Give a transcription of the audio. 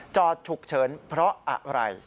จอดฉุกเฉินเพราะอะไร